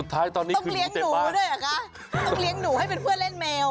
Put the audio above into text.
ท้ายตอนนี้ต้องเลี้ยงหนูด้วยเหรอคะต้องเลี้ยงหนูให้เป็นเพื่อนเล่นแมว